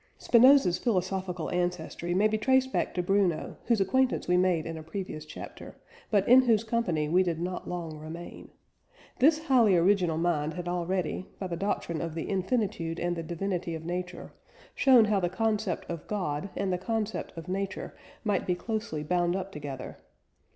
Spinoza's philosophical ancestry may be traced back to Bruno, whose acquaintance we made in a previous chapter, but in whose company we did not long remain. This highly original mind had already, by the doctrine of the infinitude and the divinity of nature, shown how the concept of God and the concept of nature might be closely bound up together.